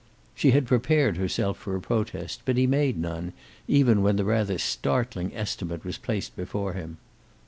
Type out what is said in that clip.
She had prepared herself for a protest, but he made none, even when the rather startling estimate was placed before him.